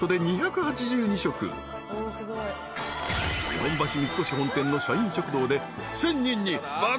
［日本橋三越本店の社員食堂で１，０００人に爆おごり］